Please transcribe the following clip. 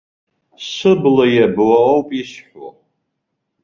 Сыбла иабо ауп исҳәо.